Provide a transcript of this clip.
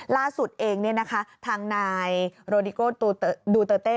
ล่าสุดเองทางนายโรดิโก้ดูเตอร์เต้